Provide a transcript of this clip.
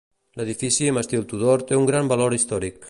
L'edifici amb estil Tudor té un gran valor històric.